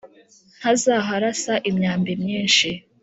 ntazaharasa imyambi myinshi,